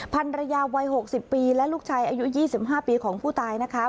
ภรรยาวัย๖๐ปีและลูกชายอายุ๒๕ปีของผู้ตายนะคะ